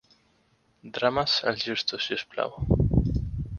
Drames, els justos, si us plau.